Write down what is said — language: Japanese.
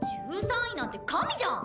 １３位なんて神じゃん！